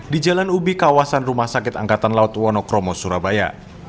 di jalan ubi kawasan rumah sakit angkatan laut wonokromo surabaya